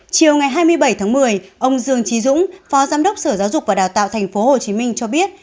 chiều ngày hai mươi bảy tháng một mươi ông dương trí dũng phó giám đốc sở giáo dục và đào tạo tp hcm cho biết